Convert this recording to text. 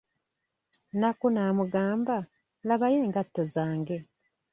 Nakku n'amugamba, labayo engatto zange.